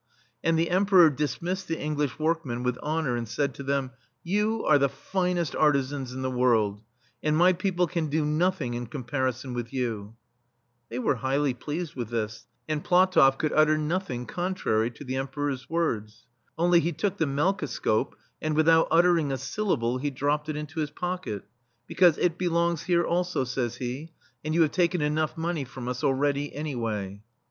* And the Emperor dismissed the English workmen with honor, and said to them : "You are the finest artisans in the world, and my people can do nothing in comparison with you." They were highly pleased with this, and PlatoflF could utter nothing con * Walrus ivory. [ »9] THE STEEL FLEA trary to the Emperor's words. Only, he took the melkoscope, and without ut tering a syllable, he dropped it into his pocket, "because it belongs here, also," says he, "and you have taken enough money from us already, anyway."